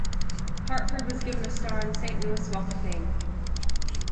Hartford was given a star on the Saint Louis Walk of Fame.